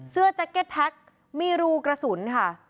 เสื้อแจ็คเก็ตแพ็คมีรูกระสุนค่ะ